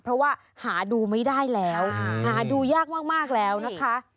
เพราะว่าหาดูไม่ได้แล้วหาดูยากมากแล้วนะคะ